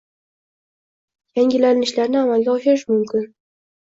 Yangilanishlarni amalga oshirish mumkin